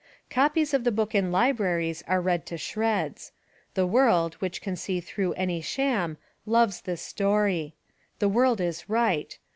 Copies of the book in libraries are read to shreds. The world, which can see through any sham, loves this story. The world is right.